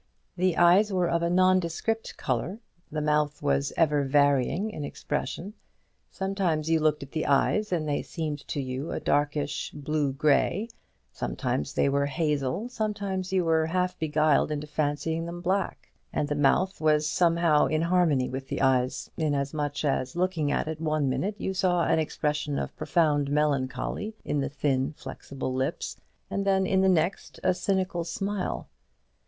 The eyes were of a nondescript colour; the mouth was ever varying in expression. Sometimes you looked at the eyes, and they seemed to you a dark bluish grey; sometimes they were hazel; sometimes you were half beguiled into fancying them black. And the mouth was somehow in harmony with the eyes; inasmuch as looking at it one minute you saw an expression of profound melancholy in the thin flexible lips; and then in the next a cynical smile.